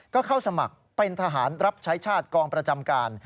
ก็เข้าสมัครเป็นทหารรับใช้ชาติกองประจำการ